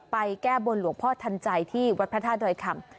แก้บนหลวงพ่อทันใจที่วัดพระธาตุดอยคำ